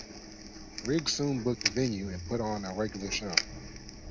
Riggs soon booked a venue and put on a regular show.